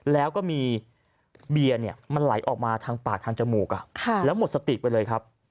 แล้วก็มีเบียร์มันไหลออกมาทางปากทางจมูกแล้วหมดสติไปเลยครับ